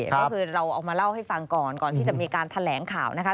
ก็คือเราเอามาเล่าให้ฟังก่อนก่อนที่จะมีการแถลงข่าวนะคะ